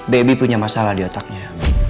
baby punya masalah di otaknya